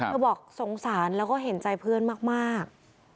บอกสงสารแล้วก็เห็นใจเพื่อนมาก